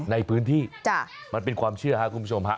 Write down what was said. ในพื้นที่มันเป็นความเชื่อครับคุณผู้ชมฮะ